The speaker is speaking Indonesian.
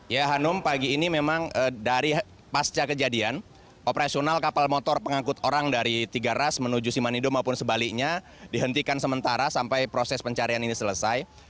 ya hanum pagi ini memang dari pasca kejadian operasional kapal motor pengangkut orang dari tiga ras menuju simanindo maupun sebaliknya dihentikan sementara sampai proses pencarian ini selesai